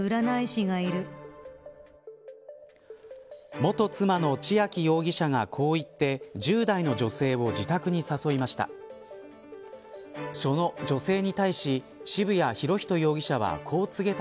元妻の千秋容疑者がこう言って１０代の女性を自宅に誘いました。